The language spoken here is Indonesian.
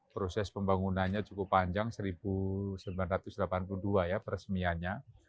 proses pembangunannya cukup panjang seribu sembilan ratus delapan puluh dua ya peresmiannya